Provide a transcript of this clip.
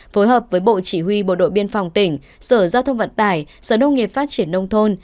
phối hợp với bộ chỉ huy bộ đội biên phòng tỉnh sở giao thông vận tải sở nông nghiệp phát triển nông thôn